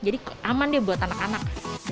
jadi aman deh buat anak anak